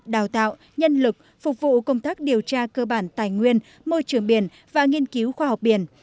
đào tạo nhân lực phục vụ công tác điều tra cơ bản tài nguyên môi trường biển và nghiên cứu khoa học biển